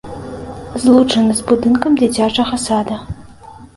Злучаны з будынкам дзіцячага сада.